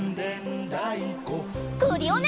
クリオネ！